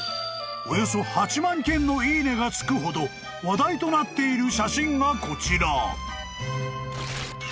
およそ８万件のいいねが付くほど話題となっている写真がこちら］